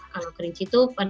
kalau kerinci itu pada masalahnya